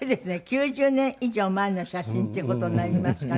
９０年以上前の写真っていう事になりますかね。